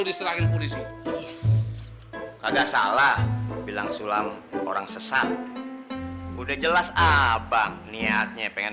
diserahin polisi kagak salah bilang sulam orang sesat udah jelas abang niatnya pengen